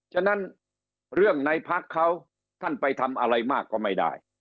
ฉะนั้นเรื่องในพักเขาท่านไปทำอะไรมากก็ไม่ได้